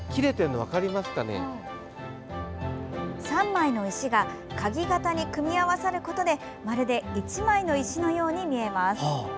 ３枚の石が鍵型に組み合わさることでまるで１枚の石のように見えます。